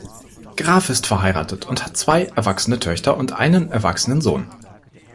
Graf ist verheiratet und hat zwei erwachsene Töchter und einen erwachsenen Sohn.